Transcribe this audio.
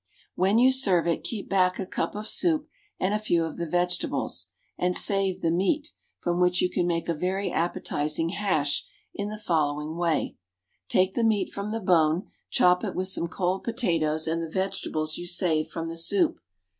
When you serve it, keep back a cup of soup and a few of the vegetables, and save the meat, from which you can make a very appetizing hash in the following way: Take the meat from the bone, chop it with some cold potatoes and the vegetables you saved from the soup.